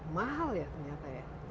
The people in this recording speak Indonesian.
mahal ya ternyata ya